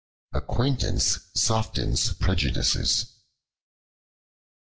Acquaintance softens prejudices.